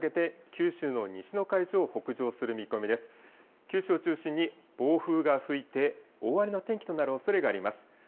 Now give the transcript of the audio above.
九州を中心に、暴風が吹いて、大荒れの天気となるおそれがあります。